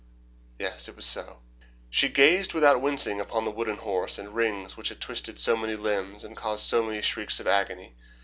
"Yes, it was so." "'She gazed without wincing upon the wooden horse and rings which had twisted so many limbs and caused so many shrieks of agony.